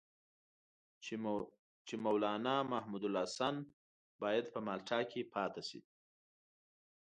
چې مولنا محمودالحسن باید په مالټا کې پاتې شي.